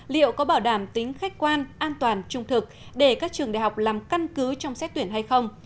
liệu có bảo đảm tính khách quan an toàn trung thực để các trường đại học làm căn cứ trong xét tuyển hay không